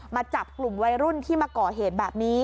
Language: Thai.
มาจับกลุ่มวัยรุ่นที่มาก่อเหตุแบบนี้